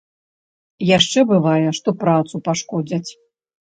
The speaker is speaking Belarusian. Яшчэ бывае, што працу пашкодзяць.